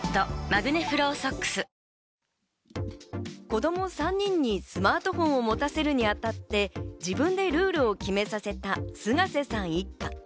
子供３人にスマートフォンを持たせるに当たって、自分でルールを決めさせた菅瀬さん一家。